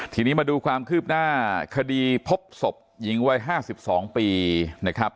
ทีนี้มาดูความคืบหน้าคดีพบศพหญิงวัย๕๒ปีนะครับ